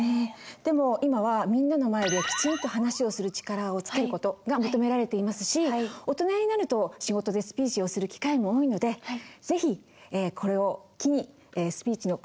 でも今はみんなの前できちんと話をする力をつける事が求められていますし大人になると仕事でスピーチをする機会も多いので是非これを機にスピーチのコツをつかんでおきましょう。